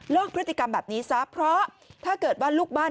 พฤติกรรมแบบนี้ซะเพราะถ้าเกิดว่าลูกบ้าน